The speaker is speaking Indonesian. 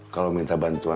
kalau minta bantuan bisa